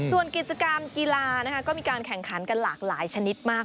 ส่วนกิจกรรมกีฬาก็มีการแข่งขันกันหลากหลายชนิดมาก